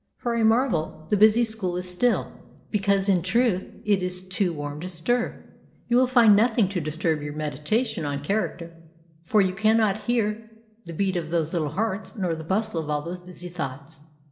For a marvel, the busy school is still, because, in truth, it is too warm to stir. You will find nothing to disturb your meditation on character, for you cannot hear the beat of those little hearts, nor the bustle of all those busy thoughts.